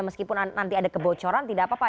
meskipun nanti ada kebocoran tidak apa apa